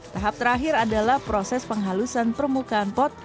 tahap terakhir adalah proses penghalusan permukaan pot